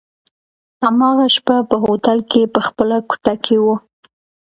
هماغه شپه په هوټل کي په خپله کوټه کي وو.